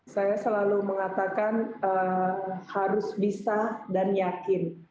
saya selalu mengatakan harus bisa dan yakin